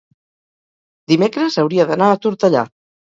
dimecres hauria d'anar a Tortellà.